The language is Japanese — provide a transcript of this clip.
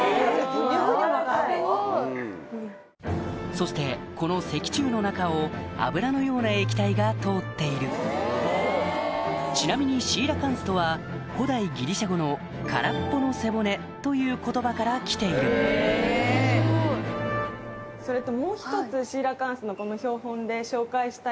そしてこのが通っているちなみに「シーラカンス」とは古代ギリシャ語の「空っぽの背骨」という言葉からきているそれと。